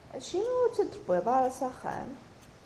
Acimi ur tt-id-tewwiḍ ara s axxam?